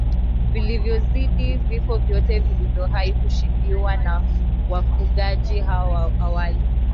vilivyozidi vifo vyote vilivyowahi kushuhudiwa na wafugaji hapo awali